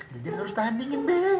jejen harus tahan dingin be